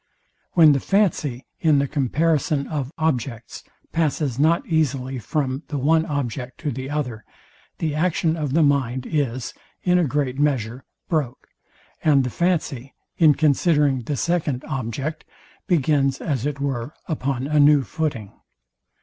When the fancy, in the comparison of objects, passes not easily from the one object to the other, the action of the mind is, in a great measure, broke, and the fancy, in considering the second object, begins, as it were, upon a new footing.